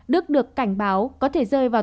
đức được cảnh báo có thể rơi vào